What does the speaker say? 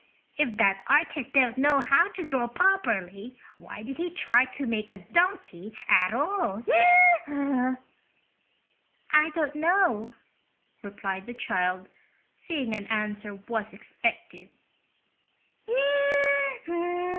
If that artist didn't know how to draw properly why did he try to make a donkey at all?" "I don't know," replied the child, seeing an answer was expected.